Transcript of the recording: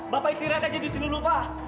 bapak istirahat aja disini dulu pak